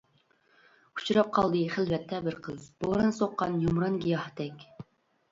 ئۇچراپ قالدى خىلۋەتتە بىر قىز، بوران سوققان يۇمران گىياھتەك.